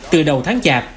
từ đầu tháng chạp